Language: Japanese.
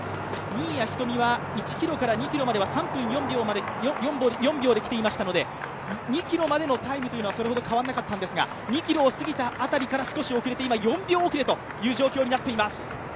新谷仁美は１ｋｍから２ｋｍまでは３分４秒で来ていましたので２ｋｍまでのタイムというのはそれほど変わらなかったんですが２ｋｍを過ぎた辺りから遅れて今４秒遅れという状況になっています。